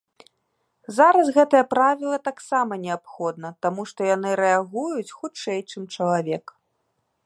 Зараз гэтае правіла таксама неабходна, таму што яны рэагуюць хутчэй, чым чалавек.